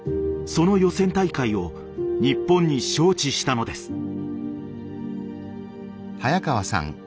その予選大会を日本に招致したのです。